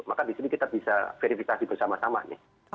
maka di sini kita bisa verifikasi bersama sama nih